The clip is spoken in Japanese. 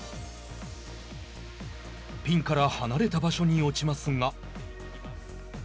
ピンから離れた場所に落ちますが。